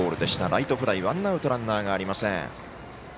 ライトフライ、ワンアウトランナーありません。